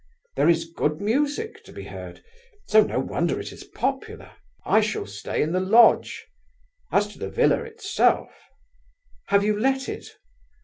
There is good music to be heard, so no wonder it is popular. I shall stay in the lodge. As to the villa itself..." "Have you let it?"